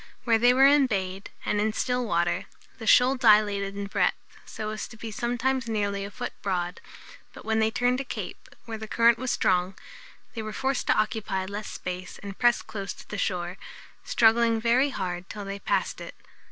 Where they were embayed, and in still water, the shoal dilated in breadth, so as to be sometimes nearly a foot broad; but when they turned a cape, where the current was strong, they were forced to occupy less space and press close to the shore, struggling very hard till they passed it.